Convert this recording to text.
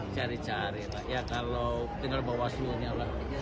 cari cari lah ya kalau tinggal bawaslu nya lah